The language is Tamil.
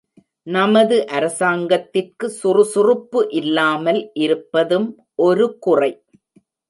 நமது அரசாங்கத்திற்கு சுறுசுறுப்பு இல்லாமல் இருப்பதும் ஒருகுறை.